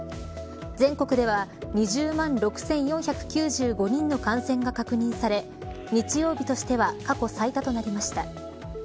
全国では２０万６４９５人の感染が確認され日曜日としては過去最多となりました。